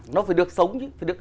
nó phải được sống